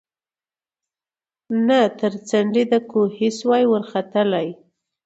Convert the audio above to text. نه تر څنډی د کوهي سوای ورختلای